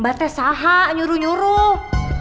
mbak tesaha nyuruh nyuruh